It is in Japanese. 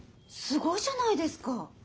すごいじゃないですか。